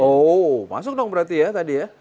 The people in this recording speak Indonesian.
oh masuk dong berarti ya tadi ya